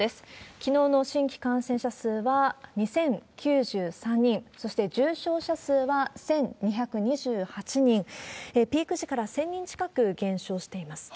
きのうの新規感染者数は２０９３人、そして重症者数は１２２８人、ピーク時から１０００人近く減少しています。